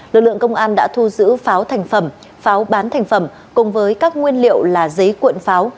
lực lượng công an đã thu giữ pháo thành phẩm pháo bán thành phẩm cùng với các nguyên liệu là giấy cuộn pháo